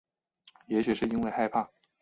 也许是因为害怕